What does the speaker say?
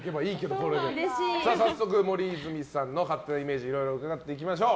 早速、森泉さんの勝手なイメージいろいろ伺っていきましょう。